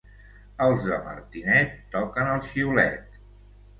Els de Martinet toquen el xiulet.